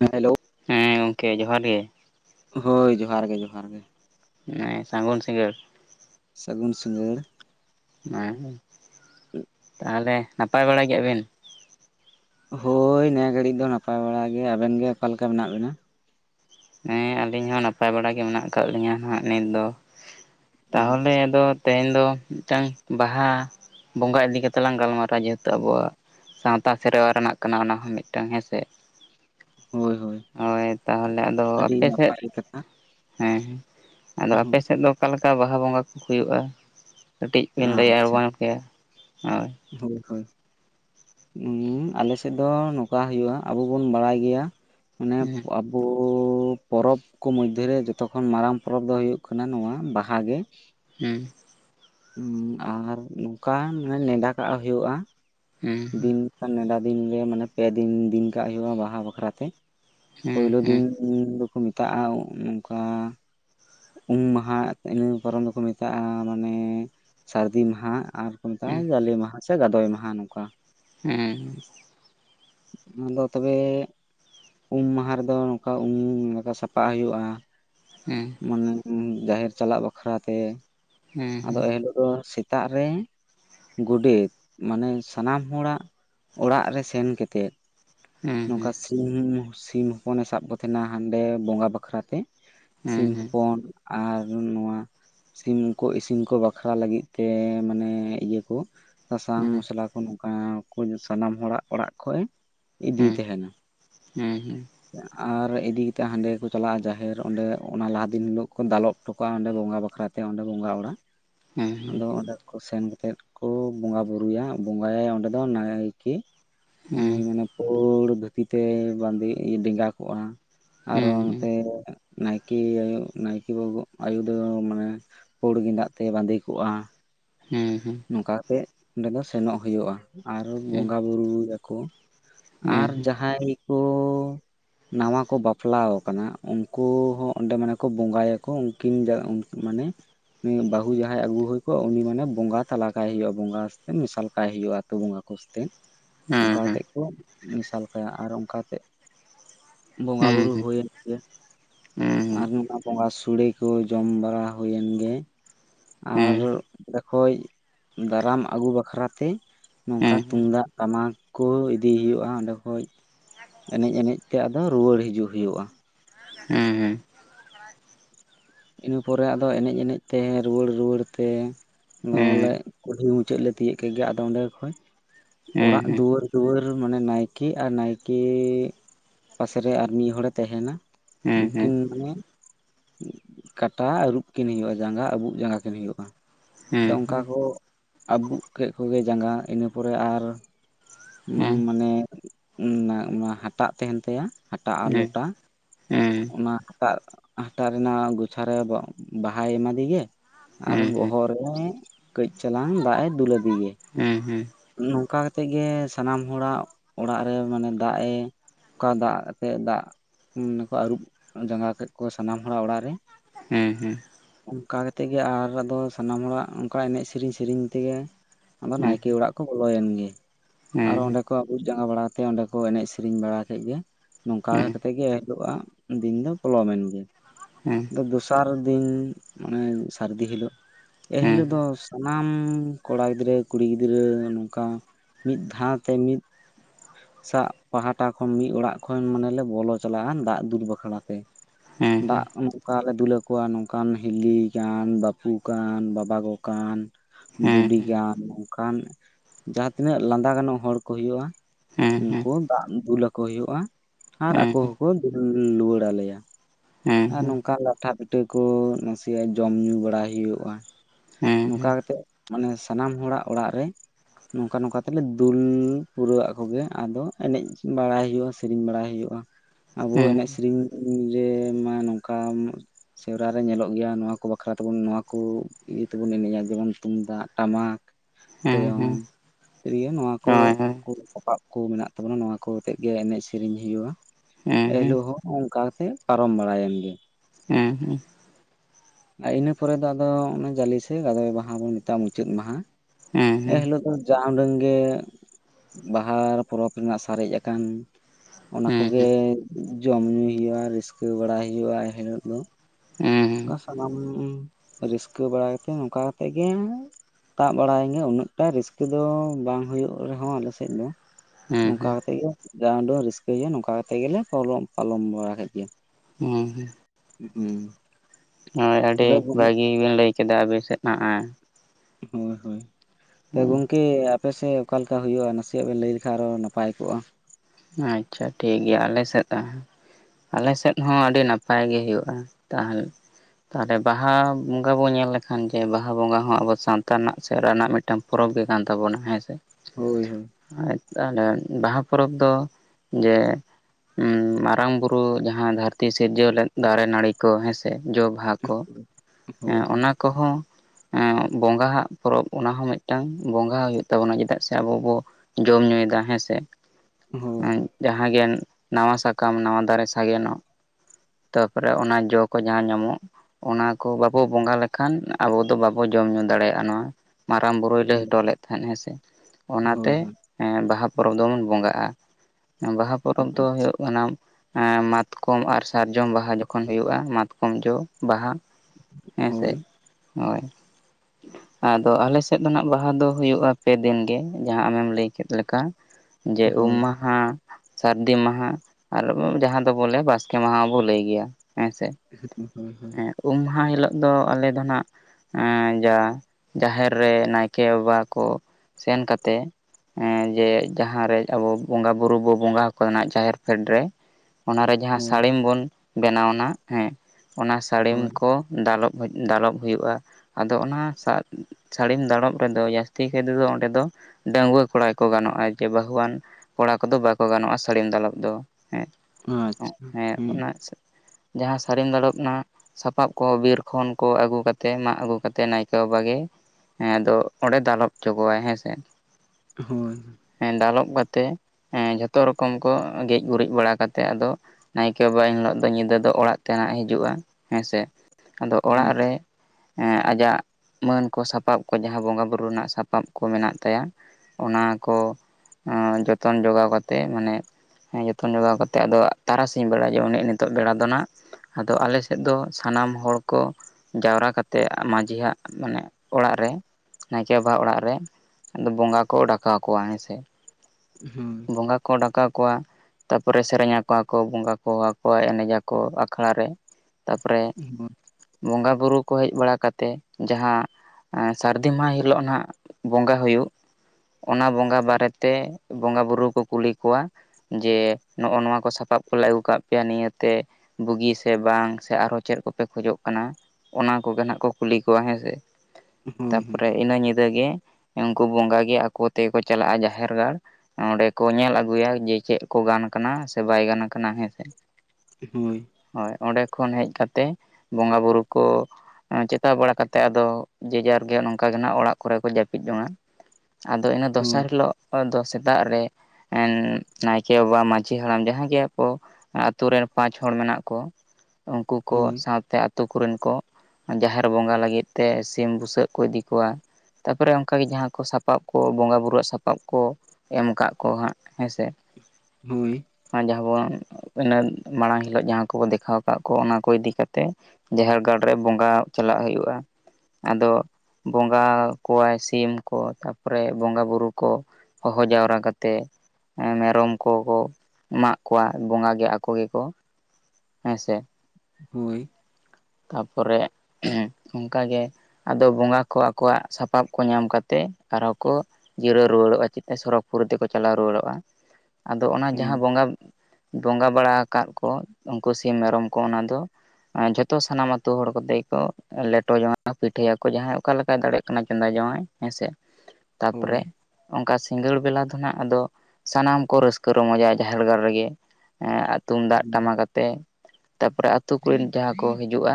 ᱦᱮᱸ ᱦᱮᱞᱳ ᱦᱮᱸ ᱜᱚᱝᱠᱮ ᱡᱚᱦᱟᱨ ᱜᱮ ᱦᱳᱭ ᱡᱚᱦᱟᱨ ᱜᱮ ᱡᱚᱦᱟᱨ ᱜᱮ ᱥᱟᱹᱜᱩᱱ ᱥᱤᱸᱜᱟᱹᱲ ᱥᱟᱹᱜᱩᱱ ᱥᱤᱸᱜᱟᱹᱲ ᱦᱮᱸ ᱛᱟᱦᱚᱞᱮ ᱱᱟᱯᱟᱭ ᱵᱟᱲᱟ ᱜᱮᱭᱟ ᱵᱤᱱ? ᱦᱳᱭ ᱱᱤᱭᱟᱹ ᱜᱷᱟᱹᱲᱤᱡ ᱫᱚ ᱱᱟᱯᱟᱭ ᱵᱟᱲᱟ ᱜᱮ। ᱟᱵᱮᱱ ᱜᱮ ᱚᱠᱟᱞᱮᱠᱟ ᱢᱮᱱᱟᱜ ᱵᱤᱱᱟ? ᱦᱮᱸ ᱟᱞᱤᱧ ᱦᱚᱸ ᱱᱟᱯᱟᱭ ᱵᱟᱲᱟ ᱜᱮ ᱢᱮᱱᱟᱜ ᱟᱠᱟᱫ ᱞᱤᱧᱟᱹ ᱱᱷᱟᱜ ᱱᱤᱛ ᱫᱚ ᱛᱟᱦᱚᱞᱮ ᱟᱫᱚ ᱛᱮᱦᱮᱧ ᱫᱚ ᱢᱤᱫᱴᱟᱝ ᱵᱟᱦᱟ ᱵᱚᱸᱜᱟ ᱤᱫᱤ ᱠᱟᱛᱮᱜ ᱞᱟᱝ ᱜᱟᱞᱢᱟᱨᱟᱣᱟ ᱡᱮᱦᱮᱛᱩ ᱟᱵᱚᱣᱟᱜ ᱾ ᱥᱟᱶᱛᱟ ᱥᱮᱨᱣᱟ ᱨᱮᱱᱟᱜ ᱠᱟᱱᱟ ᱚᱱᱟ ᱦᱚᱸ ᱢᱤᱫᱴᱟᱝ ᱦᱮᱸᱥᱮ ᱦᱳᱭ ᱛᱟᱦᱚᱞᱮ ᱾ ᱟᱫᱚ ᱟᱹᱰᱤ ᱟᱯ ᱥᱮᱫ ᱱᱟᱯᱟᱭ ᱠᱟᱛᱷᱟ ᱦᱮᱸ ᱟᱫᱚ ᱟᱯᱮ ᱥᱮᱫ ᱟᱫᱚ ᱚᱠᱟᱞᱮᱠᱟ ᱵᱟᱦᱟ ᱵᱚᱸᱜᱟ ᱠᱚ ᱦᱩᱭᱩᱜᱼᱟ ᱠᱟᱹᱴᱤᱡ ᱵᱤᱱ ᱞᱟᱹᱭᱟ ᱟᱡᱳᱢ ᱠᱮᱭᱟ ᱦᱚᱭ? ᱫᱚᱦᱟ ᱦᱚᱸ ᱟᱞᱮ ᱥᱮᱫ ᱫᱚ ᱱᱚᱝᱠᱟ ᱦᱩᱭᱩᱜᱼᱟ ᱟᱵᱚ ᱵᱚᱱ ᱵᱟᱲᱟᱭ ᱜᱮᱭᱟ ᱢᱟᱱᱮ [unintelligible] ᱯᱚᱨᱚᱵᱽ ᱠᱚ ᱢᱚᱫᱽᱫᱷᱮᱨᱮ ᱡᱚᱛᱚ ᱠᱷᱚᱱᱚᱱ ᱢᱟᱨᱟᱝ ᱯᱚᱨᱚᱵᱽ ᱫᱚ ᱦᱩᱭᱩᱜ ᱠᱟᱱᱟ ᱱᱚᱣᱟ ᱵᱟᱦᱟ ᱜᱮ ᱾ ᱦᱚᱸ ᱟᱨ ᱱᱚᱝᱠᱟ ᱢᱟᱱᱮ ᱱᱮᱰᱟ ᱠᱟᱜ ᱦᱩᱭᱩᱜᱼᱟ ᱾ ᱦᱩᱸ ᱫᱤᱱᱠᱟᱱ ᱱᱮᱰᱟ ᱫᱤᱱ ᱨᱮ ᱢᱟᱱᱮ ᱯᱮ ᱫᱤᱱ ᱫᱤᱱ ᱠᱟᱜ ᱦᱩᱭᱩᱜᱼᱟ ᱵᱟᱦᱟ ᱵᱟᱠᱷᱨᱟᱛᱮ ᱾ ᱦᱩᱸ ᱯᱳᱭᱞᱳ ᱦᱩᱸ ᱫᱤᱱ ᱫᱚᱠᱚ ᱢᱮᱛᱟᱜᱼᱟ ᱱᱚᱝᱠᱟ ᱩᱢ ᱢᱟᱦᱟ ᱤᱱᱟᱹ ᱯᱚᱨᱮ ᱫᱚᱠᱚ ᱢᱮᱛᱟᱜᱼᱟ ᱢᱟᱱᱮ ᱥᱟᱹᱨᱫᱤ ᱢᱟᱦᱟ ᱾ ᱟᱨ ᱚᱱᱠᱟ ᱦᱩᱸ ᱢᱮᱛᱟᱜᱼᱟ ᱡᱟᱞᱮ ᱢᱟᱦᱟ ᱥᱮ ᱜᱟᱫᱚᱭ ᱢᱟᱦᱟ ᱱᱚᱝᱠᱟ ᱾ ᱦᱮᱸ ᱟᱫᱚ ᱛᱚᱵᱮ ᱩᱢ ᱢᱟᱦᱟ ᱨᱮᱫᱚ ᱱᱚᱝᱠᱟ ᱩᱢ ᱞᱮᱠᱟ ᱥᱟᱯᱟᱜ ᱦᱩᱭᱩᱜᱼᱟ ᱾ ᱦᱮᱸ ᱢᱟᱱᱮ ᱡᱟᱦᱮᱨ ᱪᱟᱞᱟᱜ ᱵᱟᱠᱷᱨᱟ ᱛᱮ ᱦᱩᱸ ᱦᱩᱸ ᱟᱫᱚ ᱮᱦᱤᱞᱳᱜ ᱫᱚ ᱥᱮᱛᱟᱜ ᱨᱮ ᱜᱚᱰᱮᱛ ᱢᱟᱱᱮ ᱥᱟᱱᱟᱢ ᱦᱚᱲᱟᱜ ᱚᱲᱟᱜ ᱨᱮ ᱥᱮᱱ ᱠᱟᱛᱮᱫ ᱱᱚᱝᱠᱟ ᱥᱤᱢ ᱥᱤᱢ ᱦᱚᱯᱚ ᱱᱤᱧ ᱥᱟᱵ ᱠᱚ ᱛᱟᱦᱮᱱᱟ ᱦᱟᱸᱰᱮ ᱵᱚᱸᱜᱟ ᱵᱟᱠᱷᱨᱟᱛᱮ ᱾ ᱥᱤᱢ ᱦᱚᱯᱚᱱ ᱟᱨ ᱱᱚᱣᱟ ᱥᱤᱢ ᱠᱚ ᱤᱥᱤᱱ ᱠᱚ ᱵᱟᱠᱷᱨᱟ ᱞᱟᱹᱜᱤᱫ ᱛᱮ ᱢᱟᱱᱮ ᱤᱭᱟᱹ ᱠᱚ ᱥᱟᱥᱟᱝ ᱢᱚᱥᱞᱟ ᱠᱚ ᱱᱚᱝᱠᱟ ᱾ ᱩᱱ ᱥᱟᱱᱟᱢ ᱦᱚᱲᱟᱜ ᱚᱲᱟᱜ ᱠᱷᱮ ᱤᱫᱤᱭ ᱛᱟᱦᱮᱱᱟ ᱾ ᱦᱮᱸ ᱟᱨ ᱤᱫᱤ ᱠᱟᱛᱮᱫ ᱦᱟᱸᱰᱮ ᱠᱚ ᱪᱟᱞᱟᱜᱼᱟ ᱡᱟᱦᱮᱨ ᱚᱸᱰᱮ ᱚᱱᱟ ᱞᱟᱦᱟ ᱫᱤᱱ ᱦᱤᱞᱳᱜ ᱠᱚ ᱫᱟᱞᱚᱵ ᱾ ᱦᱚᱴᱚ ᱠᱟᱜᱼᱟ ᱚᱸᱰᱮ ᱵᱚᱸᱜᱟ ᱵᱟᱠᱷᱨᱟᱛᱮ ᱚᱸᱰᱮ ᱵᱚᱸᱜᱟ ᱚᱲᱟᱜ ᱟᱫᱚ ᱚᱸᱰᱮ ᱠᱚ ᱥᱮᱱ ᱠᱟᱛᱮᱫ ᱠᱚ ᱵᱚᱸᱜᱟ ᱵᱩᱨᱩᱭᱟ ᱵᱚᱸᱜᱟᱭᱟᱭ ᱚᱸᱰᱮ ᱫᱚ ᱱᱟᱭᱠᱮ ᱾ ᱩᱱᱤ ᱢᱟᱱᱮ ᱯᱟᱹᱲ ᱫᱷᱩᱛᱤᱛᱮᱭ ᱵᱟᱸᱫᱮ ᱰᱮᱸᱜᱟ ᱠᱚᱜᱼᱟ ᱟᱨᱚ ᱱᱚᱛᱮ ᱱᱟᱭᱠᱮ ᱟᱭᱩ ᱱᱟᱭᱠᱮ ᱵᱟᱵᱩ ᱟᱭᱩ ᱫᱚ ᱢᱟᱱᱮ ᱯᱩᱲ ᱜᱮᱸᱫᱟᱜ ᱛᱮ ᱵᱟᱸᱫᱮ ᱠᱚᱜᱼᱟ ᱦᱮᱸ ᱦᱮᱸ ᱱᱚᱝᱠᱟ ᱠᱟᱛᱮ ᱚᱸᱰᱮ ᱫᱚ ᱥᱮᱱᱚᱜ ᱦᱩᱭᱩᱜᱼᱟ ᱟᱨ ᱵᱚᱸᱜᱟ ᱵᱨᱭᱟᱠᱚ ᱟᱨ ᱡᱟᱦᱟᱸᱭ ᱠᱚ [inaudible] ᱱᱟᱣᱟ ᱠᱚ ᱵᱟᱯᱞᱟ ᱟᱠᱟᱱᱟ ᱩᱱᱠᱩ ᱦᱚᱸ ᱚᱸᱰᱮ ᱢᱟᱱᱮ ᱠᱚ ᱵᱚᱸᱜᱟᱭᱟᱠᱚ ᱩᱱᱠᱤᱱ ᱡ ᱢᱟᱱᱮ ᱩᱱᱤ ᱵᱟᱹᱦᱩ ᱡᱟᱦᱟᱸᱭ ᱟᱹᱜᱩ ᱦᱩᱭ ᱠᱚᱜᱼᱟ ᱩᱱᱤ ᱢᱟᱱᱮ ᱵᱚᱸᱜᱟ ᱛᱟᱞᱟ ᱠᱟᱭ ᱦᱩᱭᱩᱜᱼᱟ ᱵᱚᱸᱜᱟ ᱢᱮᱥᱟᱞ ᱠᱟᱭ ᱦᱩᱭᱩᱜᱼᱟ ᱟᱛᱳ ᱵᱚᱸᱜᱟ ᱠᱩᱥ ᱛᱮ ᱱᱚᱝᱠᱟ ᱠᱟᱛᱮᱫ ᱠᱚ ᱢᱮᱥᱟᱞ ᱠᱟᱭᱟ ᱟᱨ ᱚᱱᱠᱟ ᱠᱟᱛᱮᱫ ᱵᱚᱸᱜᱟ ᱵᱩᱨᱩ ᱦᱩᱭᱮᱱ ᱜᱮᱭᱟ ᱟᱨ ᱵᱚᱸᱜᱟ ᱥᱚᱲᱮ ᱠᱚ ᱡᱚᱢ ᱵᱟᱲᱟ ᱦᱩᱭᱮᱱ ᱜᱮ ᱟᱨ ᱚᱸᱰᱮ ᱠᱷᱚᱡ ᱫᱟᱨᱟᱢ ᱟᱹᱜᱩ ᱵᱟᱠᱷᱨᱟᱛᱮ ᱱᱚᱝᱠᱟ ᱛᱩᱢᱫᱟᱜ ᱴᱟᱢᱟᱠ ᱠᱚ ᱤᱫᱤ ᱦᱩᱭᱩᱜᱼᱟ ᱚᱸᱰᱮ ᱠᱷᱚᱡ ᱮᱱᱮᱡ ᱮᱱᱮᱡ ᱛᱮ ᱟᱫᱚ ᱨᱩᱣᱟᱹᱲ ᱦᱤᱡᱩᱜ ᱦᱩᱭᱩᱜᱼᱟ᱾ ᱦᱮᱸ ᱦᱮᱸ ᱤᱱᱟᱹ ᱯᱚᱨᱮ ᱟᱫᱚ ᱮᱱᱮᱡ ᱮᱱᱮᱡ ᱛᱮ ᱨᱩᱣᱟᱹᱲ ᱨᱩᱣᱟᱹᱲ ᱛᱮ ᱟᱫᱚ ᱵᱚᱞᱮ ᱠᱩᱞᱦᱤ ᱢᱩᱪᱟᱹᱫ ᱞᱮ ᱛᱤᱭᱟᱜ ᱠᱮᱫᱜᱮ ᱟᱫᱚ ᱚᱸᱰᱮ ᱠᱷᱚᱡ ᱚᱲᱟᱜ ᱫᱩᱣᱟᱹᱨ ᱫᱩᱣᱟᱹᱨ ᱢᱟᱱᱮ ᱱᱟᱭᱠᱮ ᱟᱨ ᱱᱟᱭᱠᱮ ᱯᱟᱥᱮ ᱨᱮ ᱟᱨ ᱢᱤᱫ ᱦᱚᱲᱮ ᱛᱟᱦᱮᱱᱟ ᱩᱱᱠᱤᱱᱮ ᱠᱟᱴᱟ ᱟᱹᱨᱩᱵ ᱠᱤᱱ ᱦᱩᱭᱩᱜᱼᱟ ᱡᱟᱸᱜᱟ ᱟᱹᱵᱩᱩᱜ ᱡᱟᱸᱜᱟ ᱠᱤᱱ ᱦᱩᱭᱩᱜᱼᱟ ᱟᱫᱚ ᱚᱱᱠᱟ ᱠᱚ ᱟᱵᱩᱜ ᱠᱮᱫ ᱠᱚᱜᱮ ᱡᱟᱸᱜᱟ ᱤᱱᱟᱹ ᱯᱚᱨᱮ ᱟᱨ ᱢᱟᱱᱮ ᱚᱱᱟ ᱦᱟᱴᱟᱜ ᱛᱟᱦᱮᱱ ᱛᱟᱭᱟ ᱦᱟᱴᱟᱜ ᱟᱨ ᱞᱚᱴᱟ ᱚᱱᱟ ᱦᱟᱴᱟᱜ ᱦᱟᱴᱟᱜ ᱨᱮᱱᱟᱜ ᱜᱚᱪᱷᱟᱨᱮ ᱵᱟᱦᱟᱭ ᱮᱢᱟᱫᱮᱜᱮ ᱟᱨ ᱵᱚᱦᱚᱜ ᱨᱮ ᱠᱟᱹᱪ ᱪᱟᱞᱟᱝ ᱫᱟᱜ ᱮ ᱫᱩᱞ ᱟᱫᱮᱜᱮ ᱦᱮᱸ ᱦᱮᱸ ᱚᱱᱮ ᱚᱱᱚᱝᱠᱟ ᱠᱟ ᱠᱟᱛᱮᱫ ᱜᱮ ᱥᱟᱱᱟᱢ ᱦᱚᱲᱟᱜ ᱚᱲᱟᱜ ᱨᱮ ᱢᱟᱱᱮ ᱫᱟᱜ ᱮ ᱚᱠᱟ ᱫᱟᱜ ᱛᱮ ᱫᱟᱜ ᱠᱚ ᱟᱹᱨᱩᱵ ᱡᱟᱸᱜᱟ ᱠᱮᱫ ᱠᱚᱣᱟ ᱥᱟᱱᱟᱢ ᱦᱚᱲᱟᱜ ᱚᱲᱟᱜ ᱨᱮ ᱦᱮᱸ ᱦᱮᱸ ᱚᱱᱠᱟ ᱠᱟᱛᱮᱫ ᱜᱮ ᱟᱨ ᱟᱫᱚ ᱥᱟᱱᱟᱢ ᱦᱚᱲᱟᱜ ᱚᱱᱠᱟ ᱮᱱᱮᱡ ᱥᱮᱨᱮᱧ ᱥᱮᱨᱮᱧ ᱛᱮᱜᱮ ᱟᱫᱚ ᱱᱟᱭᱠᱮ ᱚᱲᱟᱜ ᱠᱚ ᱵᱚᱞᱚᱭᱮᱱ ᱜᱮ᱾ ᱟᱨ ᱚᱸᱰᱮ ᱠᱚ ᱟᱹᱵᱩᱵ ᱡᱟᱸᱜᱟ ᱵᱟᱲᱟ ᱠᱟᱛᱮᱜ ᱚᱸᱰᱮ ᱠᱚ ᱮᱱᱮᱡ ᱥᱮᱨᱮᱧ ᱵᱟᱲᱟ ᱠᱮᱜ ᱜᱮ᱾ ᱱᱚᱝᱠᱟ ᱠᱟᱛᱮᱜ ᱜᱮ ᱩᱱ ᱦᱤᱞᱳᱜᱼᱟᱜ ᱫᱤᱱ ᱫᱚ ᱯᱚᱞᱚᱢᱮᱱ ᱜᱮ᱾ ᱫᱚ ᱫᱚᱥᱟᱨ ᱫᱤᱱ ᱢᱟᱱᱮ ᱥᱟᱹᱨᱫᱤ ᱦᱤᱞᱳᱜ ᱯᱮ ᱦᱤᱞᱳᱜ ᱫᱚ ᱥᱟᱱᱟᱢ ᱠᱚᱲᱟ ᱜᱤᱫᱽᱨᱟᱹ ᱠᱩᱲᱤ ᱜᱤᱫᱽᱨᱟᱹ ᱱᱚᱝᱠᱟ ᱢᱤᱫ ᱫᱷᱟᱣ ᱛᱮ ᱢᱤᱫ ᱥᱟᱜ ᱯᱟᱦᱴᱟ ᱠᱷᱚᱱ ᱢᱤᱜ ᱚᱲᱟᱜ ᱠᱷᱚᱱ ᱢᱟᱱᱮ ᱞᱮ ᱵᱚᱞᱚ ᱪᱟᱞᱟᱜᱼᱟ, ᱫᱟᱜ ᱫᱩᱞ ᱵᱟᱠᱷᱨᱟ ᱛᱮ᱾ ᱫᱟᱜ ᱩᱱᱩᱜ ᱚᱠᱟ ᱞᱮᱮᱴ ᱫᱩᱞᱟ ᱠᱚᱣᱟ ᱱᱚᱝᱠᱟᱱ ᱦᱤᱞᱤ ᱠᱟᱱ, ᱵᱟᱹᱯᱩ ᱠᱟᱱ, ᱵᱟᱵᱟ ᱜᱚ ᱠᱟᱱ᱾ ᱵᱩᱰᱤᱜᱟᱱ ᱱᱚᱝᱠᱟᱱ ᱡᱟᱦᱟᱸᱛᱤᱱᱟᱹᱜ ᱞᱟᱸᱫᱟ ᱜᱟᱱᱚᱜ ᱦᱚᱲ ᱠᱚ ᱦᱩᱭᱩᱜᱼᱟ᱾ ᱩᱱᱠᱩ ᱫᱟᱜ ᱫᱩᱞ ᱟᱠᱚ ᱦᱩᱭᱩᱜᱼᱟ ᱟᱨ ᱟᱠᱚ ᱦᱚᱸᱠᱚ ᱫᱩᱞ ᱨᱩᱣᱟᱹᱲ ᱟᱞᱮᱭᱟ ᱟᱨ ᱱᱚᱝᱠᱟ ᱞᱟᱴᱷᱟ ᱯᱤᱴᱷᱟᱹ ᱠᱚ ᱱᱟᱥᱮᱭᱟᱜ ᱡᱚᱢ ᱧᱩ ᱵᱟᱲᱟᱭ ᱦᱩᱭᱩᱜᱼᱟ᱾ ᱱᱚᱝᱠᱟ ᱠᱟᱛᱮᱜ ᱢᱟᱱᱮ ᱥᱟᱱᱟᱢ ᱦᱚᱲᱟᱜ ᱚᱲᱟᱜ ᱨᱮ ᱱᱚᱝᱠᱟ ᱱᱚᱝᱠᱟ ᱛᱮᱞᱮ ᱫᱩᱞ ᱯᱩᱨᱟᱹᱣᱟᱜ ᱠᱚᱜᱮ ᱟᱫᱚ ᱮᱱᱮᱡ ᱵᱟᱲᱟᱭ ᱦᱩᱭᱩᱜᱼᱟ, ᱥᱮᱨᱮᱧ ᱵᱟᱲᱟᱭ ᱦᱩᱭᱩᱜᱼᱟ, ᱟᱵᱚ ᱮᱱᱮᱡ ᱥᱮᱨᱮᱧ ᱩᱢ ᱡᱮ ᱢᱟ ᱱᱚᱝᱠᱟ ᱥᱮᱣᱨᱟ ᱨᱮ ᱧᱮᱞᱚᱜ ᱜᱮᱭᱟ ᱱᱚᱣᱟ ᱠᱚ ᱵᱟᱠᱷᱨᱟ ᱛᱮᱵᱚᱱ ᱱᱚᱣᱟ ᱠᱚ ᱤᱭᱟᱹ ᱛᱮᱵᱚᱱ ᱮᱱᱮᱡᱼᱟ ᱡᱮᱢᱚᱱ ᱛᱩᱢᱫᱟᱜ ᱴᱟᱢᱟᱠ ᱴᱮᱭᱚᱝ ᱛᱤᱨᱭᱳ ᱱᱚᱣᱟ ᱠᱚ [inaudible] ᱯᱟᱵ ᱠᱚ ᱢᱮᱱᱟᱜ ᱛᱟᱵᱚᱱᱟ ᱱᱚᱣᱟ ᱠᱚ ᱟᱛᱮᱜ ᱜᱮ ᱮᱱᱮᱡ ᱥᱮᱨᱮᱧ ᱦᱩᱭᱩᱜᱼᱟ᱾ ᱯᱮ ᱦᱤᱞᱳᱜ ᱦᱚᱸ ᱚᱝᱠᱟ ᱠᱟᱛᱮᱜ ᱯᱟᱨᱚᱢ ᱵᱟᱲᱟᱭᱮᱱ ᱜᱮ᱾ ᱦᱮᱸ ᱦᱮᱸ ᱟ ᱤᱱᱟᱹ ᱯᱚᱨᱮ ᱫᱚ ᱟᱫᱚ ᱚᱱᱮ ᱡᱟᱞᱤ ᱥᱮ ᱜᱟᱫᱚᱭᱮ ᱢᱟᱦᱟ ᱵᱚ ᱢᱮᱛᱟᱜᱼᱟ ᱢᱩᱪᱟᱹᱫ ᱢᱟᱦᱟ᱾ ᱦᱮᱸ ᱮ ᱦᱮᱸ ᱦᱤᱞᱳᱜ ᱫᱚ ᱡᱟᱸ ᱩᱰᱟᱹᱝ ᱜᱮ [unintelligible] ᱵᱟᱦᱟ ᱯᱚᱨᱚᱵᱽ ᱨᱮᱱᱟᱜ ᱥᱟᱨᱮᱡ ᱟᱠᱟᱱ ᱚᱱᱟ ᱦᱮᱸ ᱦᱮᱸ ᱠᱚᱜᱮ ᱡᱚᱢ ᱧᱩᱭ ᱦᱩᱭᱩᱜᱼᱟ᱾ ᱨᱟᱹᱥᱠᱟᱹ ᱵᱟᱲᱟᱭ ᱦᱩᱭᱩᱜᱼᱟ ᱮᱱ ᱦᱤᱞᱳᱜ ᱫᱚ᱾ ᱦᱮᱸ ᱦᱮᱸ ᱠᱟ ᱥᱟᱱᱟᱢ ᱨᱟᱹᱥᱠᱟᱹ ᱵᱟᱲᱟ ᱠᱟᱛᱮᱜ ᱱᱚᱝᱠᱟ ᱠᱟᱛᱮᱫ ᱜᱮ ᱛᱟᱵ ᱵᱟᱲᱟᱭᱮᱱ ᱜᱮ ᱩᱱᱟᱹᱜᱴᱟ ᱨᱟᱹᱥᱠᱟᱹ ᱫᱚ ᱵᱟᱝ ᱦᱩᱭᱩᱜ ᱨᱮᱦᱚᱸ ᱟᱞᱮᱥᱮᱜ ᱫᱚ ᱦᱮᱸ ᱱᱚᱝᱠᱟ ᱦᱮᱸ ᱠᱟᱛᱮᱜ ᱜᱮ ᱡᱟ ᱩᱰᱟᱹ ᱨᱟᱹᱥᱠᱟᱹ ᱦᱩᱭᱟ ᱱᱚᱝᱠᱟ ᱠᱟᱛᱮᱜ ᱜᱮᱞᱮ ᱯᱚᱞᱟᱢ ᱯᱟᱞᱚᱢ ᱵᱟᱲᱟ ᱠᱮᱜ ᱜᱮ᱾ ᱦᱩᱸᱸ ᱩᱜᱸ ᱩᱸ [unintelligible] ᱦᱳᱭ ᱟᱹᱰᱤ ᱵᱷᱟᱹᱜᱤ ᱵᱤᱱ ᱞᱟᱹᱭ ᱠᱮᱫᱟ ᱟᱵᱤᱱ ᱥᱮᱜ ᱱᱟᱜᱼᱟ ᱦᱳᱭ ᱦᱳᱭ ᱛᱚ ᱜᱚᱝ ᱠᱮ ᱟᱯᱮᱥᱮᱜ ᱚᱠᱟᱞᱮᱠᱟ ᱦᱩᱭᱩᱜᱼᱟ? ᱱᱟᱥᱮᱭᱟᱜ ᱵᱮᱱ ᱞᱟᱹᱭ ᱞᱮᱠᱷᱟᱡ ᱟᱨᱚ ᱱᱟᱯᱟᱭ ᱠᱚᱜᱼᱟ᱾ ᱟᱪᱪᱷᱟ ᱴᱷᱤᱠᱜᱮᱭᱟ ᱟᱞᱮᱥᱮᱜ ᱟᱸ ᱟᱞᱮᱥᱮᱫ ᱦᱚᱸ ᱟᱹᱰᱤ ᱱᱟᱯᱟᱭ ᱜᱮ ᱦᱳᱭᱳᱜᱼᱟ ᱛᱟᱦᱟᱞ ᱛᱟᱦᱚᱞᱮ ᱵᱟᱦᱟ ᱵᱚᱸᱜᱟ ᱵᱚ ᱧᱮᱞ ᱞᱮᱠᱷᱟᱱ ᱡᱮ ᱵᱟᱦᱟ ᱵᱚᱸᱜᱟ ᱦᱚᱸ ᱟᱵᱚ ᱥᱟᱶᱛᱟ ᱨᱮᱱᱟᱜ ᱥᱮᱨᱣᱟ ᱨᱮᱱᱟᱜ ᱢᱮᱜ ᱴᱟᱝ ᱯᱚᱨᱚᱵᱽ ᱜᱮ ᱠᱟᱱ ᱛᱟᱵᱚᱱᱟ ᱦᱮᱸ ᱥᱮ᱾ ᱦᱳᱭ ᱦᱳᱭ ᱟᱡ ᱛᱟᱦᱮᱞᱮ ᱵᱟᱦᱟ ᱯᱚᱨᱚᱵᱽ ᱫᱚ ᱡᱮ ᱢᱟᱨᱟᱝ ᱵᱩᱨᱩ ᱡᱟᱦᱟᱸ ᱫᱷᱟᱹᱨᱛᱤ ᱥᱤᱨᱡᱟᱹᱣ ᱞᱮᱫ ᱫᱟᱨᱮ ᱱᱟᱹᱲᱤ ᱠᱚ ᱦᱮᱸᱥᱮ ᱡᱚ ᱵᱟᱦᱟ ᱠᱚ ᱮᱸ ᱦᱳᱭ ᱚᱱᱟ ᱠᱚᱦᱚᱸ ᱮᱸ ᱵᱚᱸᱜᱟ ᱦᱟᱜ ᱯᱚᱨᱚᱵᱽ ᱚᱱᱟᱦᱚᱸ ᱢᱤᱜᱴᱟᱝ ᱵᱚᱸᱜᱟ ᱦᱳᱭ ᱛᱟᱵᱚᱱᱟ ᱪᱮᱫᱟᱜ ᱥᱮ ᱟᱵᱚ ᱵᱚ ᱡᱚᱢ ᱧᱩᱭᱫᱟ ᱦᱮᱸᱥᱮ ᱦᱳᱭ ᱮᱸ ᱡᱟᱦᱟᱸ ᱜᱮᱱ ᱱᱟᱣᱟ ᱥᱟᱠᱟᱢ ᱱᱟᱣᱟ ᱫᱟᱨᱮ ᱥᱟᱜᱮᱱᱚᱜ ᱛᱟᱯᱚᱨᱮ ᱚᱱᱟ ᱡᱚ ᱠᱚ ᱡᱟᱦᱟᱸ ᱧᱟᱢᱚᱜ ᱚᱱᱟ ᱠᱚ ᱵᱟᱵᱚ ᱵᱚᱸᱜᱟ ᱞᱮᱠᱷᱟᱱ ᱟᱵᱚ ᱫᱚ ᱵᱟᱵᱚ ᱡᱚᱢ ᱧᱩ ᱫᱟᱲᱮᱭᱟᱜᱼᱟ ᱱᱚᱣᱟ ᱢᱟᱨᱟᱝ ᱵᱩᱨᱩᱭ ᱞᱟᱹᱭ ᱦᱚᱴᱚ ᱞᱮᱫ ᱠᱚᱱᱟ ᱛᱟᱦᱮᱸᱫ ᱦᱮᱸᱥᱮ ᱚᱱᱟᱛᱮ ᱦᱳᱭ ᱦᱳᱭ ᱮᱸ ᱵᱟᱦᱟ ᱯᱚᱨᱚᱵᱽ ᱫᱚᱵᱚᱱ ᱵᱚᱸᱜᱟᱜᱼᱟ ᱵᱟᱦᱟ ᱯᱚᱨᱚᱵᱽ ᱫᱚ ᱦᱩᱭᱩᱜ ᱠᱟᱱᱟᱢ ᱮᱸ ᱢᱟᱛᱠᱚᱢ ᱟᱨ ᱥᱟᱨᱡᱚᱢ ᱵᱟᱦᱟ ᱡᱚᱠᱷᱚᱱ ᱦᱩᱭᱩᱜᱼᱟ ᱢᱟᱛᱠᱚᱢ ᱡᱚ ᱵᱟᱦᱟ ᱦᱮᱸᱥᱮ ᱦᱳᱭ ᱦᱚᱭ ᱟᱫᱚ ᱟᱞᱮᱥᱮᱫ ᱱᱟᱜ ᱵᱟᱦᱟ ᱫᱚ ᱦᱳᱭᱳᱜᱼᱟ ᱯᱮ ᱫᱤᱱᱜᱮ ᱡᱟᱦᱟᱸ ᱟᱢᱮᱢ ᱞᱟᱹᱭ ᱠᱮᱫ ᱞᱮᱠᱟ᱾ ᱡᱮ ᱩᱢ ᱦᱳᱭ ᱢᱟᱦᱟ ᱥᱟᱹᱨᱫᱤ ᱢᱟᱦᱟ ᱟᱨ ᱡᱟᱦᱟᱸ ᱫᱚᱵᱚᱱ ᱞᱟᱹᱭᱟ ᱵᱟᱥᱠᱮ ᱢᱟᱦᱟ ᱦᱚᱵᱚ ᱞᱟᱹᱭ ᱜᱮᱭᱟ ᱦᱮᱸ ᱥᱮ ᱦᱮᱸ ᱦᱮᱸ ᱦᱮᱸ [unintelligible] ᱩᱢᱟᱦᱟ ᱦᱤᱞᱳᱜ ᱫᱚ ᱟᱞᱮ ᱫᱚ ᱱᱟᱦᱟᱜ ᱡᱟ ᱡᱟᱦᱮᱨ ᱨᱮ ᱱᱟᱭᱠᱮ ᱵᱟᱵᱟ ᱠᱚ ᱥᱮᱱ ᱠᱟᱛᱮᱜ ᱦᱮᱸ ᱡᱮ ᱡᱟᱦᱟᱸ ᱨᱮ ᱟᱵᱚ ᱵᱚᱸᱜᱟ ᱵᱩᱨᱩ ᱵᱚ ᱵᱚᱸᱜᱟᱚ ᱡᱟᱦᱮᱨ ᱯᱷᱮᱰ ᱨᱮ ᱚᱱᱟᱨᱮ ᱦᱳᱭ ᱡᱟᱦᱟᱸ ᱦᱳᱭ ᱥᱟᱹᱲᱤᱢ ᱵᱚᱱ ᱵᱮᱱᱟᱣ ᱱᱟ ᱦᱮᱸ ᱚᱱᱟ ᱥᱟᱹᱲᱤᱢ ᱦᱳᱭ ᱠᱚ ᱫᱟᱞᱚᱵ ᱫᱟᱞᱚᱵ ᱦᱩᱭᱩᱜᱼᱟ ᱟᱫᱚ ᱚᱱᱟ ᱥᱟᱶ ᱥᱟᱹᱲᱤᱢ ᱫᱟᱲᱚᱵ ᱨᱮᱫᱚ ᱡᱟᱹᱥᱛᱤ ᱠᱟᱭ ᱛᱮᱫᱚ ᱚᱸᱰᱮ ᱫᱚ ᱰᱟᱺᱩᱣᱟᱹ ᱠᱚᱲᱟ ᱜᱮᱠᱚ ᱜᱟᱱᱚᱜᱼᱟ ᱡᱮ ᱵᱟᱹᱦᱩᱣᱟᱱ ᱠᱚᱲᱟ ᱠᱚ ᱫᱚ ᱵᱟᱠᱚ ᱜᱟᱱᱚᱜᱼᱟ ᱥᱟᱹᱲᱤᱢ ᱫᱟᱞᱚᱵ ᱫᱚ ᱦᱮᱸ ᱟᱪᱪᱷᱟ ᱦᱮᱸ ᱦᱩᱸ ᱚᱱᱟ ᱡᱟᱦᱟᱸ ᱥᱟᱨᱤᱢ ᱫᱟᱲᱚᱵ ᱱᱟ ᱥᱟᱯᱟᱵ ᱠᱚᱸ ᱵᱤᱨ ᱠᱷᱚᱱ ᱠᱚ ᱟᱹᱜᱩ ᱠᱟᱛᱮᱫ ᱢᱟᱜ ᱟᱹᱜᱩ ᱠᱟᱛᱮ ᱱᱟᱭᱠᱮ ᱵᱟᱵᱟ ᱜᱮ ᱦᱮᱸ ᱟᱫᱚ ᱚᱸᱰᱮ ᱫᱟᱞᱚᱵ ᱦᱚᱪᱚ ᱠᱚᱣᱟᱭ ᱦᱮᱸ ᱥᱮ ᱦᱳᱭ ᱫᱟᱞᱚᱵ ᱠᱟᱛᱮ ᱡᱷᱚᱛᱚ ᱨᱚᱠᱚᱢ ᱠᱚ ᱜᱮᱡ ᱜᱩᱨᱤᱡ ᱵᱟᱲᱟ ᱠᱟᱛᱮ ᱟᱫᱚ ᱱᱟᱭᱠᱮ ᱵᱟᱵᱟ ᱮᱱ ᱦᱤᱞᱳᱜ ᱫᱚ ᱧᱤᱫᱟᱹ ᱫᱚ ᱚᱲᱟᱜ ᱛᱮ ᱱᱟᱦᱟᱜ ᱦᱤᱡᱩᱜᱼᱟ ᱦᱮᱸ ᱥᱮ ᱟᱫᱚ ᱚᱲᱟᱜ ᱟᱪᱪᱷᱟ ᱨᱮ ᱟᱡᱟᱜ ᱢᱟᱹᱱ ᱠᱚ ᱥᱟᱯᱟᱵ ᱠᱚ ᱡᱟᱦᱟᱸ ᱵᱚᱸᱜᱟ ᱵᱩᱨᱩ ᱨᱮᱱᱟᱜ ᱥᱟᱯᱟᱵ ᱠᱚ ᱢᱮᱱᱟᱜ ᱛᱟᱭᱟ ᱚᱱᱟ ᱠᱚ ᱡᱚᱛᱚᱱ ᱡᱚᱜᱟᱣ ᱠᱟᱛᱮᱜ ᱢᱟᱱᱮ ᱡᱚᱛᱚᱱ ᱡᱚᱜᱟᱣ ᱠᱟᱛᱮ ᱟᱫᱚ ᱛᱟᱨᱟᱥᱤᱧ ᱵᱟᱲᱟᱭᱟ ᱡᱮᱢᱚᱱ ᱱᱮᱜᱮ ᱱᱤᱛᱚᱜ ᱵᱮᱲᱟ ᱫᱚ ᱱᱟᱦᱟᱜ ᱟᱫᱚ ᱟᱞ ᱥᱮᱫ ᱫᱚ ᱥᱟᱱᱟᱢ ᱦᱚᱲ ᱠᱚ ᱡᱟᱣᱨᱟ ᱠᱟᱛᱮᱜ ᱢᱟᱹᱡᱷᱤ ᱭᱟᱜ ᱢᱟᱱᱮ ᱚᱲᱟᱜ ᱨᱮ ᱱᱟᱭᱠᱮ ᱵᱟᱵᱟ ᱚᱲᱟᱜ ᱨᱮ ᱟᱫᱚ ᱵᱚᱸᱜᱟ ᱠᱚ ᱰᱟᱠᱟᱚᱣ ᱦᱮᱸ ᱥᱮ ᱦᱩᱸ ᱵᱚᱸᱜᱟ ᱠᱚ ᱰᱟᱠᱟᱣ ᱠᱚᱣᱟ ᱛᱟᱯᱚᱨᱮ ᱥᱮᱨᱮᱧ ᱟᱠᱚᱣᱟ ᱠᱚ ᱵᱚᱸᱜᱟ ᱠᱚ ᱟᱠᱚᱣᱟ ᱮᱱᱮᱡ ᱟᱠᱚ ᱟᱠᱷᱲᱟ ᱨᱮ ᱛᱟᱯᱚᱨᱮ ᱵᱚᱸᱜᱟ ᱵᱩᱨᱩ ᱠᱚ ᱦᱮᱡ ᱵᱟᱲᱟ ᱠᱟᱛᱮᱜ ᱡᱟᱦᱟᱸ ᱥᱟᱹᱨᱫᱤ ᱢᱟᱦᱟ ᱦᱤᱞᱳᱜ ᱱᱟᱦᱟᱜ ᱵᱚᱸᱜᱟ ᱦᱩᱭᱩᱜ ᱚᱱᱟ ᱵᱚᱸᱜᱟ ᱵᱟᱨᱮ ᱛᱮ ᱵᱚᱸᱜᱟ ᱵᱩᱨᱩ ᱠᱚ ᱠᱩᱞᱤ ᱠᱚᱣᱟ ᱡᱮ ᱱᱚᱜᱚ ᱱᱚᱣᱟ ᱠᱚ ᱥᱟᱯᱟᱵ ᱠᱚ ᱞᱮ ᱟᱹᱜᱩ ᱟᱠᱟᱫ ᱯᱮᱭᱟ ᱱᱤᱭᱟᱹᱛᱮ ᱵᱩᱜᱤ ᱥᱮ ᱵᱟᱝ ᱥᱮ ᱟᱨ ᱦᱚᱸ ᱪᱮᱫ ᱠᱚ ᱯᱮ ᱠᱷᱚᱡᱚᱜ ᱠᱟᱱᱟ ᱚᱱᱟ ᱠᱚ ᱜᱮ ᱱᱟᱦᱟᱜ ᱠᱚ ᱠᱩᱞᱤ ᱠᱚᱣᱟ ᱦᱮᱸ ᱥᱮ ᱦᱳᱭ ᱛᱟᱯᱚᱨᱮ ᱤᱱᱟᱹ ᱧᱤᱫᱟᱹ ᱜᱮ ᱩᱱᱠᱩ ᱵᱚᱸᱜᱟ ᱜᱮ ᱟᱠᱚ ᱛᱮᱜᱮ ᱠᱚ ᱪᱟᱞᱟᱜᱼᱟ ᱡᱟᱦᱮᱨ ᱜᱟᱲ ᱚᱸᱰᱮ ᱠᱚ ᱧᱮᱞ ᱟᱹᱜᱩᱭᱟ ᱡᱮ ᱪᱮᱫ ᱠᱚ ᱜᱟᱱ ᱠᱟᱱᱟ ᱥᱮ ᱵᱟᱭ ᱜᱟᱱ ᱠᱟᱱᱟ ᱦᱮᱸ ᱥᱮ ᱦᱳᱭ ᱦᱳᱭ ᱚᱸᱰᱮ ᱠᱷᱚᱱ ᱦᱮᱡ ᱠᱟᱛᱮ ᱵᱚᱸᱜᱟ ᱵᱩᱨᱩ ᱠᱚ ᱪᱮᱛᱟ ᱵᱟᱲᱟ ᱠᱟᱛᱮᱜ ᱟᱫᱚ ᱡᱮ ᱡᱟᱨ ᱜᱮ ᱱᱚᱝᱠᱟ ᱜᱮ ᱱᱟᱜ ᱚᱲᱟᱜ ᱠᱚᱨᱮ ᱠᱚ ᱡᱟᱹᱯᱤᱫ ᱡᱚᱝᱼᱟ ᱟᱫᱚ ᱤᱱᱟᱹ ᱫᱚᱥᱟᱨ ᱦᱳᱭ ᱦᱤᱞᱳᱜ ᱫᱚ ᱥᱮᱛᱟᱜ ᱨᱮ ᱱᱟᱭᱠᱮ ᱵᱟᱵᱟ ᱢᱟᱺᱡᱷᱤ ᱦᱟᱲᱟᱢ ᱡᱟᱦᱟᱸᱭ ᱜᱮ ᱟᱛᱩᱨ ᱨᱮᱱ ᱯᱟᱸᱪ ᱦᱚᱲ ᱢᱮᱱᱟᱜ ᱠᱚ ᱩᱱᱠᱩ ᱠᱚ ᱦᱳᱭ ᱦᱳᱭ ᱥᱟᱶᱛᱮ ᱟᱹᱛᱩᱳ ᱠᱚᱨᱮᱱ ᱠᱚ ᱡᱟᱦᱮᱨ ᱵᱚᱸᱜᱟ ᱞᱟᱹᱜᱤᱫ ᱛᱮ ᱥᱤᱢ ᱵᱩᱥᱟᱹᱜ ᱠᱚ ᱤᱫᱤ ᱠᱚᱣᱟ ᱛᱟᱯᱚᱨᱮ ᱚᱱᱠᱟᱜ ᱜᱮ ᱡᱟᱦᱟᱸ ᱠᱚ ᱥᱟᱯᱟᱵ ᱠᱚ ᱵᱚᱸᱜᱟ ᱵᱩᱨᱩᱣᱟᱜ ᱥᱟᱯᱟᱵ ᱠᱚ ᱮᱢ ᱠᱟᱜ ᱠᱚ ᱦᱟᱸᱜ ᱦᱮᱸ ᱥᱮ ᱦᱳᱭ ᱡᱟᱦᱟᱸ ᱵᱚᱱ ᱚᱱᱮ ᱢᱟᱲᱟᱝ ᱦᱤᱞᱳᱜ ᱡᱟᱦᱟᱸ ᱠᱚ ᱵᱚ ᱫᱮᱠᱷᱟᱣ ᱟᱠᱚ ᱠᱟᱜ ᱠᱚ ᱚᱱᱟ ᱠᱚ ᱤᱫᱤ ᱠᱟᱛᱮ ᱡᱟᱦᱮᱨ ᱜᱟᱲ ᱨᱮ ᱵᱚᱸᱜᱟ ᱪᱟᱞᱟᱜ ᱦᱩᱭᱩᱜᱼᱟ ᱟᱫᱚ ᱵᱚᱸᱜᱟ ᱠᱚᱣᱟᱭ ᱥᱤᱢ ᱠᱚ ᱛᱟᱯᱚᱨᱮ ᱵᱚᱸᱜᱟ ᱵᱩᱨᱩ ᱠᱚ ᱦᱚᱦᱚ ᱡᱟᱣᱨᱟ ᱠᱟᱛᱮᱫ ᱢᱮᱨᱚᱢ ᱠᱚ ᱠᱚ ᱮᱢᱟᱜ ᱠᱚᱣᱟ ᱵᱚᱸᱜᱟ ᱜᱮ ᱟᱠᱚ ᱜᱮ ᱠᱚ ᱦᱮᱸ ᱥᱮ ᱦᱳᱭ ᱛᱟᱯᱚᱨᱮ ᱚᱱᱠᱟ ᱜᱮ ᱟᱫᱚ ᱵᱚᱸᱜᱟ ᱠᱚ ᱟᱠᱚᱣᱟᱜ ᱥᱟᱯᱟᱵ ᱠᱚ ᱧᱟᱢ ᱠᱟᱛᱮ ᱟᱨᱚ ᱠᱚ ᱡᱤᱨᱟᱹᱣ ᱨᱩᱣᱟᱹᱲᱚᱜᱼᱟ ᱪᱮᱛᱮ ᱥᱚᱨᱚᱜᱽ ᱯᱩᱨᱤ ᱛᱮᱠᱚ ᱪᱟᱞᱟᱣ ᱨᱩᱣᱟᱹᱲᱚᱜᱼᱟ ᱟᱫᱚ ᱚᱱᱟ ᱡᱟᱦᱟᱸ ᱦᱩᱸ ᱵᱚᱸᱜᱟ ᱵᱚᱸᱜᱟ ᱵᱟᱲᱟ ᱟᱠᱟᱫ ᱠᱚ ᱩᱱᱠᱩ ᱥᱤᱢ ᱢᱮᱨᱚᱢ ᱠᱚ ᱚᱱᱟ ᱫᱚ ᱡᱚᱛᱚ ᱥᱟᱱᱟᱢ ᱟᱹᱛᱳ ᱦᱚᱲ ᱠᱚᱛᱮ ᱜᱮᱠᱚ ᱞᱮᱴᱚ ᱡᱚᱝ ᱟ ᱯᱤᱴᱷᱟᱹᱭᱟᱠᱚ ᱡᱟᱦᱟᱸᱭ ᱚᱠᱟ ᱞᱮᱠᱟᱭ ᱫᱟᱲᱮᱭᱟᱜ ᱠᱟᱱᱟ ᱪᱚᱸᱫᱟ ᱡᱚᱝ ᱟ ᱦᱮᱸᱥᱮ ᱛᱟᱯᱚᱨᱮ ᱦᱩᱸ ᱚᱱᱠᱟ ᱥᱤᱸᱜᱟᱹᱲ ᱵᱮᱞᱟ ᱫᱚ ᱦᱟᱜ ᱟᱫᱚ ᱥᱟᱱᱟᱢ ᱠᱚ ᱨᱟᱹᱥᱠᱟᱹ ᱨᱚᱢᱚᱡᱟ ᱡᱟᱦᱮᱨ ᱜᱟᱲ ᱨᱮᱜᱮ ᱛᱩᱢᱫᱟᱜ ᱴᱟᱢᱟᱠ ᱟᱛᱮ ᱛᱟᱯᱚᱨᱮ ᱟᱹᱛᱩ ᱠᱚᱨᱮᱱ ᱡᱟᱦᱟᱸᱭ ᱠᱚ ᱦᱤᱡᱩᱜᱼᱟ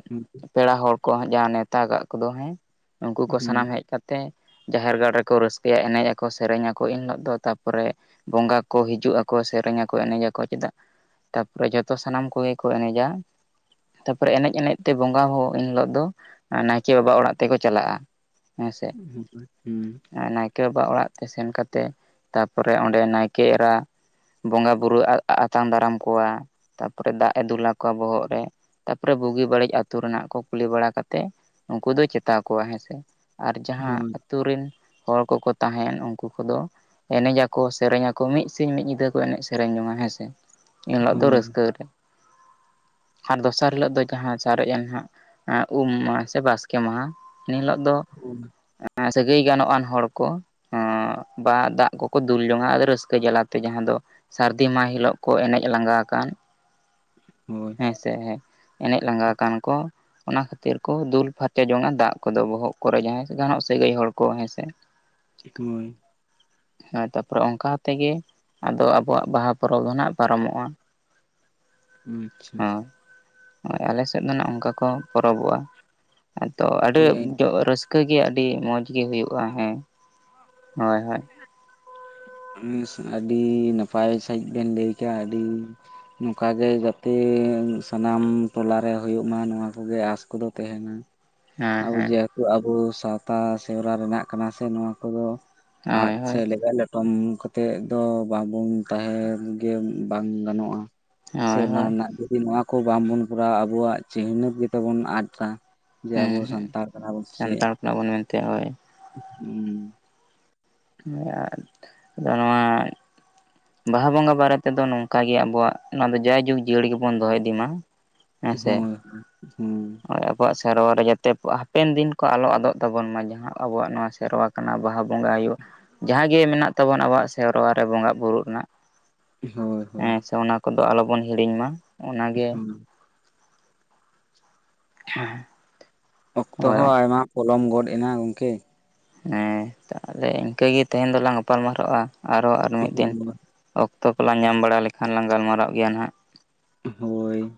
[inaudible] ᱯᱮᱲᱟ ᱦᱚᱲ ᱠᱚ ᱦᱟᱸᱜ ᱡᱟᱦᱟᱸ ᱱᱮᱣᱛᱟ ᱠᱟᱜ ᱠᱚᱫᱚ ᱦᱮᱸ ᱩᱱᱠᱩ ᱠᱚ ᱥᱟᱱᱟᱢ ᱦᱮᱡ ᱠᱟᱼᱼ ᱛᱮ ᱡᱟᱦᱮᱨ ᱜᱟᱲ ᱨᱮᱠᱚ ᱨᱟᱹᱥᱠᱟᱹᱭᱟ ᱮᱱᱮᱡ ᱟᱠᱚ ᱥᱮᱨᱮᱧ ᱟᱠᱚ ᱮᱱ ᱦᱤᱞᱳᱜ ᱫᱚ ᱛᱟᱯᱚᱨᱮ ᱵᱚᱸᱜᱟ ᱠᱚ ᱦᱤᱡᱩᱜ ᱟᱠᱚ ᱥᱮᱨᱮᱧ ᱟᱠᱚ ᱮᱱᱮᱡ ᱟᱠᱚ ᱪᱮᱫᱟᱜ ᱛᱟᱯᱚᱨᱮ ᱡᱷᱚᱛᱚ ᱥᱟᱱᱟᱢ ᱠᱚ ᱜᱮ ᱠᱚ ᱮᱱᱮᱡᱟ ᱛᱟᱯᱚᱨᱮ ᱮᱱᱮᱡ ᱮᱱᱮᱡ ᱛᱮ ᱵᱚᱸᱜᱟ ᱦᱚᱸ ᱮᱱ ᱦᱤᱞᱚᱜ ᱫᱚ ᱱᱟᱭᱠᱮ ᱵᱟᱵᱟ ᱣᱟᱜ ᱚᱲᱟᱜ ᱛᱮᱱᱠᱚ ᱪᱟᱞᱟᱜᱼᱟ ᱦᱮᱸ ᱥᱮ ᱦᱩᱸ ᱦᱳᱭ ᱦᱳᱭ ᱟᱺ.. ᱱᱟᱭᱠ.. ᱠᱮ ᱵᱟ ᱚᱲᱟᱜ ᱛᱮ ᱥᱮᱱ ᱠᱟᱛᱮ ᱛᱟᱯᱚᱨᱮ ᱚᱸᱰᱮ ᱱᱟᱭᱠᱮ ᱮᱨᱟ ᱵᱚᱸᱜᱟ ᱵᱩᱨᱩ ᱟᱛᱟᱝ ᱫᱟᱨᱟᱢ ᱠᱚᱣᱟ ᱛᱟᱯᱚᱨᱮ ᱫᱟᱜ ᱮ ᱫᱩᱞ ᱟᱠᱚᱣᱟ ᱵᱚᱦᱚᱜ ᱨᱮ ᱛᱟᱯᱚᱨᱮ ᱵᱩᱜᱤ ᱵᱟᱹᱲᱤᱡ ᱟᱹᱛᱩ ᱨᱮᱱᱟᱜ ᱠᱚ ᱠᱩᱞᱤ ᱵᱟᱲᱟ ᱠᱟᱛᱮ ᱩᱱᱠᱩ ᱫᱚ ᱪᱮᱛᱟᱣ ᱠᱚᱣᱟ ᱦᱮᱸᱥᱮ ᱟᱨ ᱡᱟᱦᱟᱸ ᱦᱳᱭ ᱟᱹᱛᱩ ᱨᱮᱱ ᱦᱚᱲ ᱠᱚᱠᱚ ᱛᱟᱦᱮᱸ ᱮᱱ ᱩᱱᱠᱩ ᱠᱚᱫᱚ ᱮᱱᱮᱡ ᱟᱠᱚ ᱥᱮᱨᱮᱧ ᱟᱠᱚ ᱢᱤᱫ ᱥᱤᱧ ᱢᱤᱫ ᱧᱤᱫᱟᱹ ᱠᱚ ᱮᱱᱮᱡ ᱥᱮᱨᱮᱧ ᱡᱚᱝ ᱟ ᱦᱮᱸ ᱥᱮ ᱮᱱ ᱦᱤᱞᱳᱜ ᱫᱚ ᱨᱟᱹᱥᱠᱟᱹ ᱨᱮ ᱾ ᱟᱨ ᱫᱚᱥᱟᱨ ᱦᱤᱞᱳᱜ ᱫᱚ ᱡᱟᱦᱟᱸ ᱥᱟᱨᱮᱡ ᱮᱱ ᱦᱟᱜ ᱩᱢ ᱢᱟᱦᱟ ᱥᱮ ᱵᱟᱥᱠᱮ ᱢᱟᱦᱟ ᱾ ᱮᱱ ᱦᱤᱞᱳᱜ ᱫᱚ ᱥᱟᱹᱜᱟᱹᱭ ᱜᱟᱱᱚᱜ ᱟᱱ ᱦᱚᱲ ᱠᱚ ᱵᱟᱦᱟ ᱫᱟᱜ ᱠᱚᱠᱚ ᱫᱩᱞ ᱡᱚᱝ ᱟ ᱟᱫᱚ ᱨᱟᱹᱥᱠᱟᱹ ᱡᱟᱞᱟᱛᱮ ᱡᱟᱦᱟᱸ ᱫᱚ ᱥᱟᱹᱨᱫᱤ ᱢᱟᱦᱟ ᱦᱤᱞᱳᱜ ᱠᱚ ᱮᱱᱮᱡ ᱞᱟᱸᱜᱟ ᱟᱠᱟᱱ ᱦᱳᱭ ᱦᱮᱸᱥᱮ ᱦᱮᱸ ᱮᱱᱮᱡ ᱞᱟᱸᱜᱟ ᱟᱠᱟᱱ ᱠᱚ ᱚᱱᱟ ᱠᱷᱟᱹᱛᱤᱨ ᱠᱚ ᱫᱩᱞ ᱯᱷᱟᱨᱪᱟ ᱡᱚᱝᱼᱟ ᱫᱟᱜ ᱠᱚᱫᱚ ᱵᱚᱦᱚᱜ ᱠᱚᱨᱮ ᱡᱟᱦᱟᱸ ᱥᱮ ᱡᱟᱦᱟᱱᱟᱜ ᱥᱟᱹᱜᱟᱹᱭ ᱦᱚᱲ ᱠᱚ ᱦᱮᱸᱥᱮ ᱦᱳᱭ ᱦᱮ ᱛᱟᱯᱚᱨᱮ ᱚᱱᱠᱟ ᱛᱮᱜᱮ ᱟᱫᱚ ᱟᱵᱚᱣᱟᱜ ᱵᱟᱦᱟ ᱯᱚᱨᱚᱵᱽ ᱫᱚ ᱱᱟᱦᱟᱜ ᱯᱟᱨᱚᱢᱚᱜᱼᱟ ᱾ ᱟᱪᱪᱷᱟ ᱦᱚ ᱟᱞᱮ ᱥᱮᱫ ᱫᱚ ᱱᱟᱜ ᱚᱱᱠᱟ ᱠᱚ ᱯᱚᱨᱚᱵᱚᱜᱼᱟ ᱦᱮᱸᱛᱚ ᱟᱹᱰᱤ ᱦᱳᱭ ᱨᱟᱹᱥᱼ ᱼᱠᱟᱹ ᱜᱮ ᱟᱹᱰᱤ ᱢᱚᱸᱡᱽ ᱜᱮ ᱦᱩᱭᱩᱜᱼᱟ ᱦᱮᱸ ᱦᱳᱭ ᱦᱳᱭ [inaudible] ᱟᱹᱰᱤ ᱱᱟᱯᱟᱭ ᱥᱟᱺᱦᱤᱡ ᱵᱮᱱ ᱞᱟᱹᱭ ᱠᱮᱫᱼᱟ ᱟᱹᱰᱤᱻ ᱱᱚᱝᱠᱟ ᱜᱮ ᱡᱟᱛᱮ ᱥᱟᱱᱟᱢ ᱴᱚᱞᱟ ᱨᱮ ᱦᱩᱭᱩᱜ ᱢᱟ ᱱᱚᱣᱟ ᱠᱚᱜᱮ ᱟᱸᱥ ᱠᱚᱫᱚ ᱛᱟᱦᱮᱱᱟ ᱦᱮᱸ ᱟᱵᱚ ᱦᱮᱸ ᱡᱮᱦᱮᱛᱩ ᱟᱵᱚ ᱥᱟᱶᱛᱟ ᱥᱮᱨᱣᱟ ᱨᱮᱱᱟᱜ ᱠᱟᱱᱟ ᱥᱮ ᱱᱚᱣᱟ ᱠᱚᱫᱚ ᱦᱳᱭ ᱦᱳᱭ ᱾ [unintelligible] ᱠᱚᱢ ᱠᱟᱛᱮᱫ ᱫᱚ ᱵᱟᱵᱚᱱ ᱛᱟᱦᱮᱸ ᱜᱮ ᱵᱟᱝ ᱜᱟᱱᱚᱜᱼᱟ ᱦᱳᱭ ᱥᱮᱨᱣᱟ ᱦᱳᱭ ᱨᱮᱱᱟᱜ ᱡᱩᱫᱤ ᱱᱚᱣᱟ ᱠᱚ ᱵᱟᱝᱵᱚᱱ ᱠᱚᱨᱟᱣᱟ ᱟᱵᱚᱣᱟᱜ ᱪᱤᱱᱦᱟᱹᱯ ᱜᱮᱛᱚ ᱵᱚᱱ ᱟᱫᱼᱫᱟ ᱡᱮ ᱦᱮᱸ ᱟᱵᱚ ᱦᱮᱸ ᱥᱟᱱᱛᱟᱲ ᱠᱟᱱᱟ ᱵᱚᱱ ᱥᱮ ᱪᱮᱫ ᱥᱟᱱᱛᱟᱲ ᱠᱟᱱᱟ ᱵᱚᱱ ᱢᱮᱱᱛᱮ ᱦᱳᱭ ᱦᱩᱸ [unintelligible] ᱟᱫᱚ ᱱᱚᱣᱟ ᱵᱟᱦᱟ ᱵᱚᱸᱜᱟ ᱵᱟᱨᱮ ᱛᱮᱫᱚ ᱱᱚᱝᱠᱟᱜᱮ ᱟᱵᱚᱣᱟᱜ ᱱᱚᱣᱟ ᱫᱚ ᱡᱟᱭᱡᱩᱜᱽ ᱡᱤᱭᱟᱹᱲ ᱜᱮᱵᱚᱱ ᱫᱚᱦᱚ ᱤᱫᱤ ᱢᱟ ᱦᱮᱸ ᱥᱮ ᱦᱳᱭ ᱦᱳᱭ [unintelligible] ᱟᱵᱚᱣᱟᱜ ᱥᱮᱨᱣᱟ ᱨᱮ ᱡᱟᱛᱮ ᱦᱟᱯᱮᱱ ᱫᱤᱱ ᱠᱚ ᱟᱞᱚ ᱟᱫᱚᱜ ᱛᱟᱵᱚᱱ ᱢᱟ ᱡᱟᱦᱟᱸ ᱟᱵᱚᱣᱟᱜ ᱱᱚᱣᱟ ᱥᱮᱨᱣᱟ ᱠᱟᱱᱟ ᱵᱟᱦᱟ ᱵᱚᱸᱜᱟ ᱦᱩᱭᱩᱜ ᱡᱟᱦᱟᱸ ᱜᱮ ᱢᱮᱱᱟᱜ ᱛᱟᱵᱚᱱ ᱟᱵᱚᱣᱟᱜ ᱥᱮᱨᱣᱟ ᱨᱮ ᱵᱚᱸᱜᱟ ᱵᱩᱨᱩᱜ ᱨᱮᱱᱟᱜ ᱦᱳᱭ ᱦᱳᱭ ᱦᱳᱭ ᱦᱮᱸ ᱥᱮ ᱚᱱᱟ ᱠᱚᱫᱚ ᱟᱞᱚ ᱵᱚᱱ ᱦᱤᱲᱤᱧ ᱢᱟ ᱚᱱᱟᱜᱮ [unintelligible] ᱚᱠᱛᱚ ᱦᱳᱭ ᱦᱚᱸ ᱟᱭᱢᱟ ᱯᱚᱞᱚᱢ ᱜᱚᱫ ᱮᱱᱟ ᱜᱚᱝᱠᱮ ᱾ ᱦᱮᱸ ᱛᱟᱦᱞᱮ ᱤᱱᱠᱟᱹᱜᱮ ᱛᱮᱦᱮᱧ ᱫᱚ ᱞᱟᱝ ᱜᱟᱯᱟᱞᱢᱟᱨᱟᱜᱼᱟ ᱟᱨᱦᱚᱸ ᱟᱨ ᱢᱤᱫ ᱫᱤᱱ ᱚᱠᱛᱚ ᱠᱚ ᱞᱟᱝ ᱧᱟᱢ ᱵᱟᱲᱟ ᱞᱮᱠᱷᱟᱱ ᱞᱟᱝ ᱜᱟᱞᱢᱟᱨᱟᱜ ᱜᱮᱭᱟ ᱦᱟᱜ ᱦᱳᱭ